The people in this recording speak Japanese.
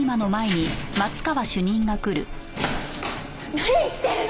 何してるの？